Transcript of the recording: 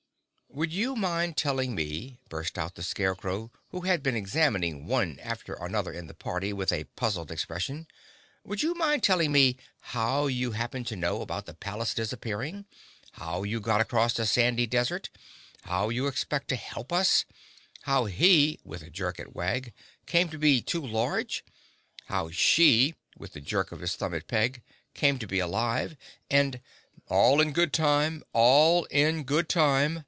"Would you mind telling me," burst out the Scarecrow, who had been examining one after another in the party with a puzzled expression, "would you mind telling me how you happened to know about the palace disappearing; how you got across the sandy desert; how you expect to help us; how he (with a jerk at Wag) came to be too large; how she (with a jerk of his thumb at Peg) came to be alive; and—" "All in good time; all in good time!"